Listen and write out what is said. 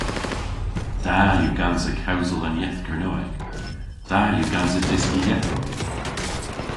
Da yw gansa kewsel an yeth Kernewek. Da yw gansa dyski yethow.